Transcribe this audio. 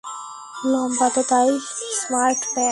লম্বা তো তাই, স্মার্ট প্যান্ট।